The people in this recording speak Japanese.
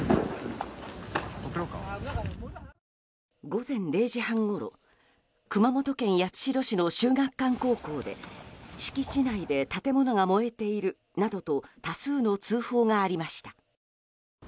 午前０時半ごろ熊本県八代市の秀岳館高校で敷地内で建物が燃えているなどと多数の通報がありました。